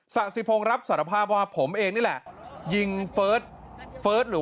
สะสิพงศ์รับสารภาพว่าผมเองนี่แหละยิงเฟิร์สเฟิร์สหรือ